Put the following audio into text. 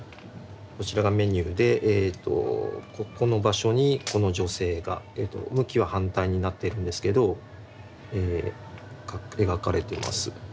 こちらがメニューでここの場所にこの女性が向きは反対になってるんですけど描かれてます。